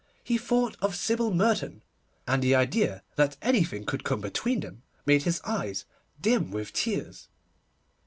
He thought of Sybil Merton, and the idea that anything could come between them made his eyes dim with tears.